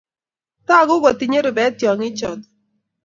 Tagu kotinye rupet tyong'ik chotok